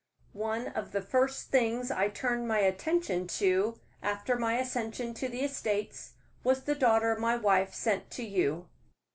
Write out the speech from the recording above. "One of the first things I turned my attention to, after my accession to the estates, was the daughter my wife sent to you."